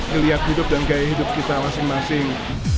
melihat hidup dan gaya hidup kita masing masing